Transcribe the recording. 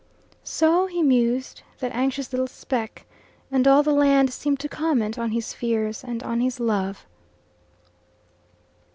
So he mused, that anxious little speck, and all the land seemed to comment on his fears and on his love.